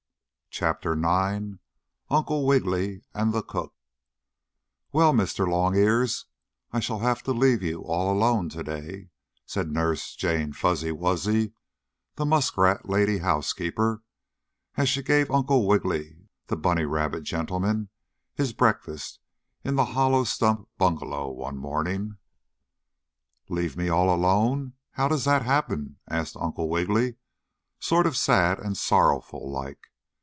CHAPTER IX UNCLE WIGGILY AND THE COOK "Well, Mr. Longears, I shall have to leave you all alone today," said Nurse Jane Fuzzy Wuzzy, the muskrat lady housekeeper, as she gave Uncle Wiggily, the bunny rabbit gentleman, his breakfast in the hollow stump bungalow one morning. "Leave me all alone how does that happen?" asked Uncle Wiggily, sort of sad and sorrowful like.